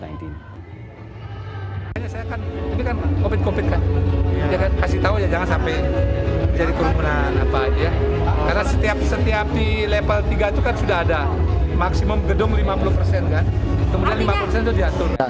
karena setiap di level tiga itu kan sudah ada maksimum gedung lima puluh persen kan kemudian lima persen itu diatur